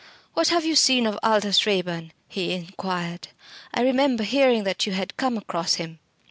"What have you seen of Aldous Raeburn?" he inquired. "I remember hearing that you had come across him."